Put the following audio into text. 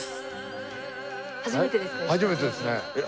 初めてですか？